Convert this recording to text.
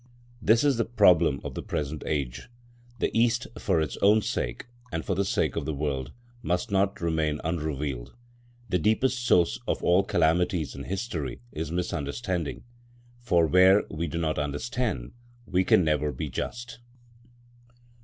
This is the problem of the present age. The East, for its own sake and for the sake of the world, must not remain unrevealed. The deepest source of all calamities in history is misunderstanding. For where we do not understand, we can never be just.